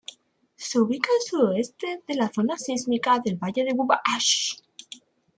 Se ubica al sudoeste de la Zona Sísmica del Valle de Wabash.